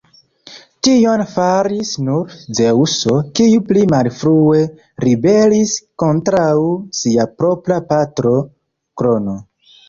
Tion faris nur Zeŭso, kiu pli malfrue ribelis kontraŭ sia propra patro, Krono.